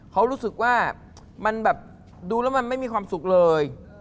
เขารู้สึกว่ามันแบบดูแล้วมันไม่มีความสุขเลย